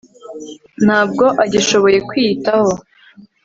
Ntabwo agishoboye kwiyitaho